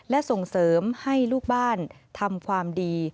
และส่งเสริมให้ลูกบ้านทำความดี